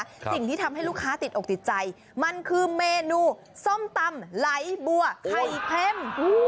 สิ่งที่ทำให้ลูกค้าติดอกติดใจมันคือเมนูส้มตำไหลบัวไข่เค็ม